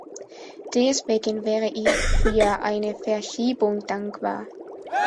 Deswegen wäre ich für eine Verschiebung dankbar.